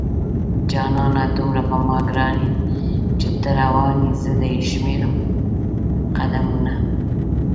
جانانه دومره په ما گران يې چې ته روان يې زه دې شمارم قدمونه